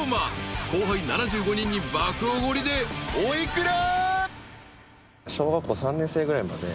［後輩７５人に爆おごりでお幾ら？］